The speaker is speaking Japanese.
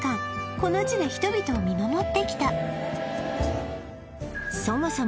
この地で人々を見守ってきたそもそも